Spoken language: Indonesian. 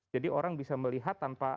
jadi orang bisa melihat tanpa